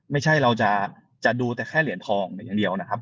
ไม่ใช่เราจะดูแต่แค่เหรียญทองอย่างเดียวนะครับ